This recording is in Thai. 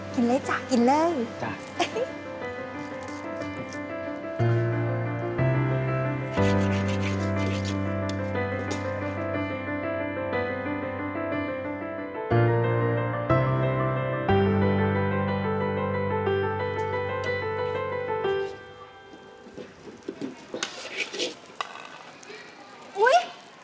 กินเลยจ้ะกินเลย